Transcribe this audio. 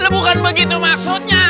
bukan begitu maksudnya